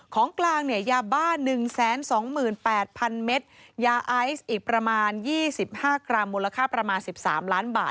ของกลางเนี่ยยาบ้า๑๒๘๐๐๐เมตรยาไอซ์อีกประมาณ๒๕กรัมมูลค่าประมาณ๑๓ล้านบาท